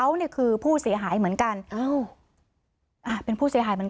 อ่าแล้วว่ะไม่มาเอาตังเหรอ